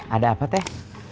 ada apa teh